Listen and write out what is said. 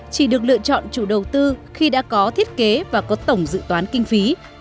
chỉ được lựa chọn chủ đầu tư khi đã có thiết kế và có tổng dự toán kinh phí